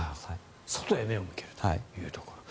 外へ目を向けるというところ。